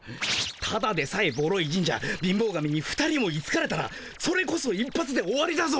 ただでさえボロい神社貧乏神に２人もいつかれたらそれこそ一発で終わりだぞ。